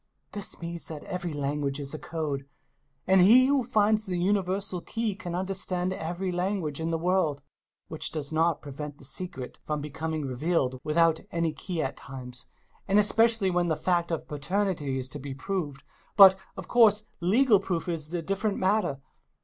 This means that every lan guage is a code, and he who finds the universal key can under stand every language in the world — ^which does not prevent the secret from becoming revealed without any key at times, and especially when the fact of paternity is to be proved — but, of course, legal proof is a different matter.